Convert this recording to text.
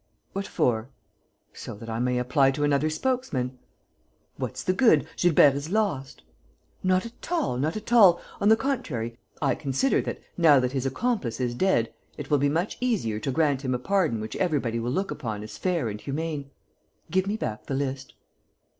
"What for?" "So that I may apply to another spokesman." "What's the good? Gilbert is lost." "Not at all, not at all. On the contrary, I consider that, now that his accomplice is dead, it will be much easier to grant him a pardon which everybody will look upon as fair and humane. Give me back the list."